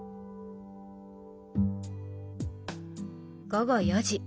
午後４時。